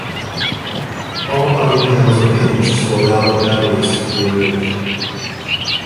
All body panels are hinged to allow the batteries to be removed.